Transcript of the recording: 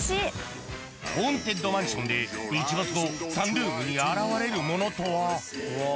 ホーンテッドマンションで日没後、サンルーフに現れるものとは。